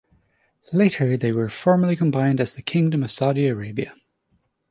Later they were formally combined as the Kingdom of Saudi Arabia.